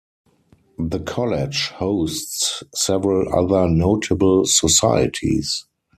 The college hosts several other notable societies.